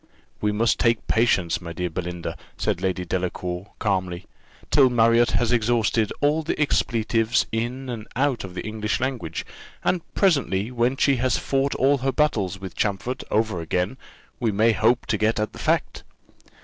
"We must take patience, my dear Belinda," said Lady Delacour, calmly, "till Marriott has exhausted all the expletives in and out of the English language; and presently, when she has fought all her battles with Champfort over again, we may hope to get at the fact."